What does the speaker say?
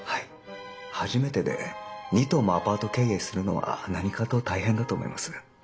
初めてで２棟もアパート経営するのは何かと大変だと思います。